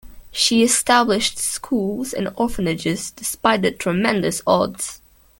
She established schools and orphanages despite tremendous odds.